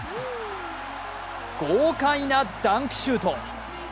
豪快なダンクシュート。